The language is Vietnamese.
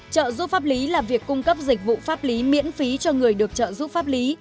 trợ giúp pháp lý là việc cung cấp dịch vụ pháp lý miễn phí cho người được trợ giúp pháp lý